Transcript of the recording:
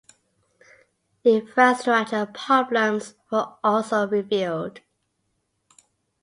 Infrastructure problems were also revealed.